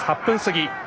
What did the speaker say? ８分過ぎ。